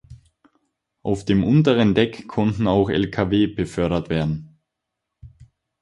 Auf dem unteren Deck konnten auch Lkw befördert werden.